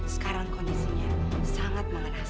sekarang kondisinya sangat mengenaskan